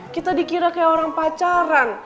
kita dikira kayak orang pacaran